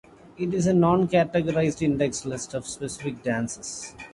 It is a non-categorized, index list of specific dances.